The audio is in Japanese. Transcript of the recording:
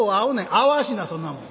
「合わしなそんなもん。